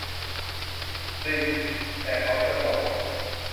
"จริง แต่เขาจนกว่าผม"